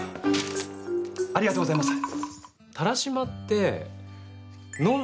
ありがとうございます。